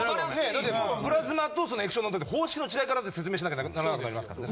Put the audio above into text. だってプラズマと液晶の方式の違いから説明しなきゃならなくなりますからね。